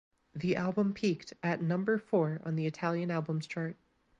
The album peaked at number four on the Italian Albums Chart.